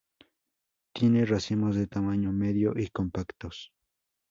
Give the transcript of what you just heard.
Tiene racimos de tamaño medio y compactos.